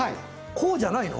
こうじゃないの？